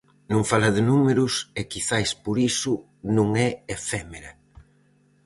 Non fala de números e quizais por iso non é efémera.